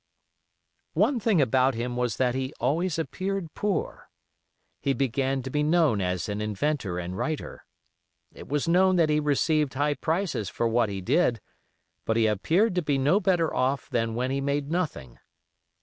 One thing about him was that he always appeared poor. He began to be known as an inventor and writer. It was known that he received high prices for what he did; but he appeared to be no better off than when he made nothing.